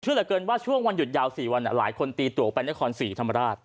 เชื่อเหลือเกินว่าช่วงวันหยุดยาว๔วันหลายคนตีตรวจแปลงคอน๔ธรรมดาต